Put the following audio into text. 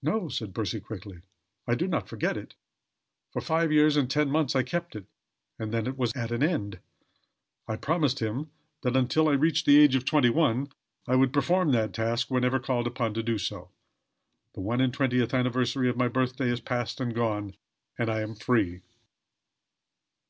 "No," said Percy quickly. "I do not forget it. For five years and ten months I kept it; and then it was at an end. I promised him that, until I reached the age of twenty one, I would perform that task whenever called upon to do so. The one and twentieth anniversary of my birthday is past and gone; and I am free."